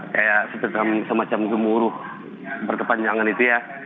kayak semacam gemuruh berkepanjangan itu ya